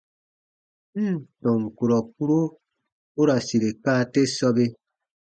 N ǹ tɔn kurɔ kpuro u ra sire kaa te sɔbe.